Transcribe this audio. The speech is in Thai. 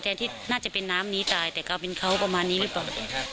ที่น่าจะเป็นน้ำนี้ตายแต่กลายเป็นเขาประมาณนี้หรือเปล่า